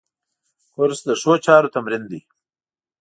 کورس د ښو چارو تمرین دی.